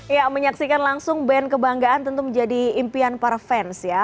ya menyaksikan langsung band kebanggaan tentu menjadi impian para fans ya